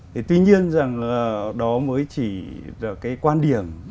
thì tuy nhiên rằng là đó mới chỉ là cái quan điểm